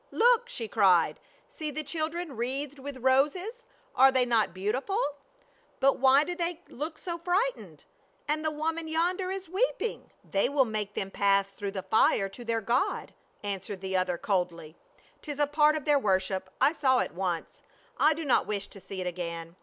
"Look!" she cried, "See the children wreathed with roses ; are they not beautiful ? But why do they look so frightened ? And the woman yonder is weeping." 86 PA UL. " They will make them pass through the fire to their god," answered the other coldly, " 'tis a part of their worship. I saw it once ; I do not wish to see it again.